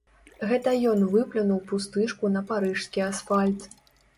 Гэта ён выплюнуў пустышку на парыжскі асфальт.